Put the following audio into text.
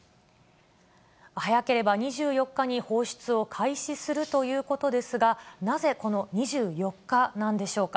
早ければ２４日に放出を開始するということですが、なぜこの２４日なんでしょうか。